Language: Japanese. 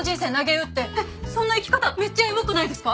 えっそんな生き方めっちゃエモくないですか？